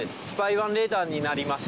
１レーダーになります。